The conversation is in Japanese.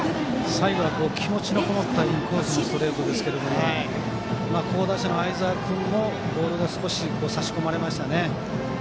最後は気持ちのこもったインコースのストレートでしたが好打者の相澤君もボールが少し差し込まれました。